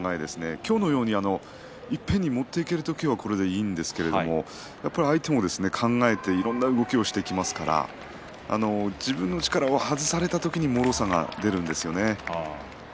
今日みたいにいっぺんに持っていける時はそれでいいんですが相手もいろいろ考えていろんな動きをしてきますから自分の力を外された時にもろさが出るんですよね。